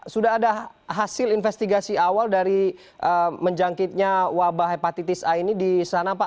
sudah ada hasil investigasi awal dari menjangkitnya wabah hepatitis a ini di sana pak